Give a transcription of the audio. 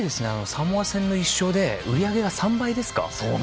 サモア戦の１勝でグッズの売り上げが３倍ですか。